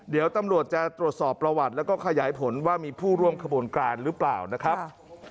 เดี๋ยวตำรวจจะตรวจสอบประวัติแล้วก็ขยายผลว่ามีผู้ร่วมขบวนการหรือเปล่านะครับ